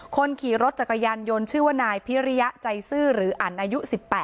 คนขี่รถจักรยานยนต์ชื่อว่านายพิริยะใจซื่อหรืออันอายุ๑๘